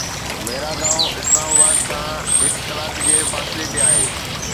ميراگاون Islamabad کان هڪ ڪلاڪ جي فاصلي تي آهي.